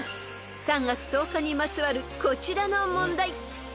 ［３月１０日にまつわるこちらの問題］